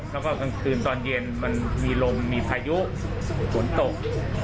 แล้วก็กลางคืนตอนเย็นมันมีลมมีพายุฝนตก